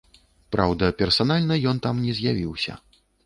Праўда, персанальна ён там не з'явіўся.